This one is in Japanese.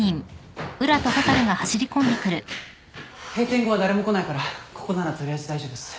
閉店後は誰も来ないからここなら取りあえず大丈夫っす。